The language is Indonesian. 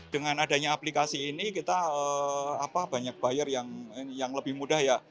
dengan adanya aplikasi ini kita banyak buyer yang lebih mudah ya